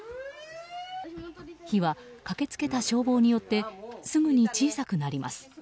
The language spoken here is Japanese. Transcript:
火は駆けつけた消防によってすぐに小さくなります。